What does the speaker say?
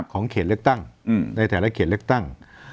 ของเขตเรื้อตั้งในแถวเขตเรื้อตั้ง